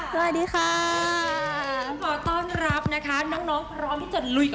สวัสดีค่ะสวัสดีค่ะสวัสดีค่ะสวัสดีค่ะขอต้อนรับนะคะ